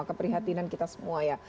keprihatinan kita semua ya